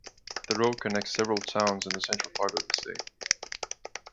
The road connects several towns in the central part of the state.